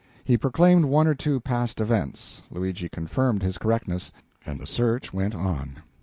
He proclaimed one or two past events, Luigi confirmed his correctness, and the search went on.